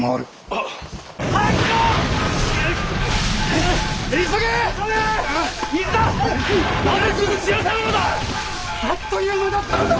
あっという間だったので。